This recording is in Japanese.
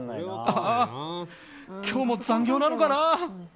ああ、今日も残業なのかな。